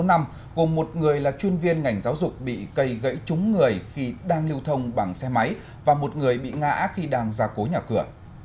gồm một người là chuyên viên ngành giáo dục bị cây gãy trúng người khi đang lưu thông bằng xe máy và một người bị ngã khi đang ra cố nhà cửa